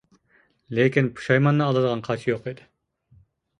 لېكىن پۇشايماننى ئالىدىغان قاچا يوق ئىدى.